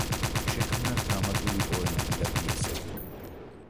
შექმნა დრამატული პოემები და პიესები.